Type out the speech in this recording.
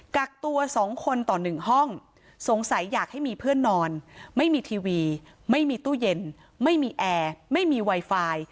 กักตัว๒คนต่อ๑ห้องสงสัยอยากให้มีเพื่อนนอนไม่มีทีวีไม่มีตู้เย็นไม่มีแอร์ไม่มีไวไฟ